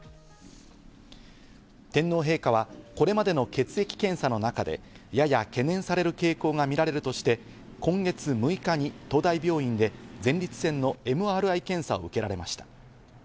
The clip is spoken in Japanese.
天皇陛下はこれまでの血液検査の中でやや懸念される傾向が見られるとして、今月６日に東大病院で前立腺のＭＲＩ検査を受けられました。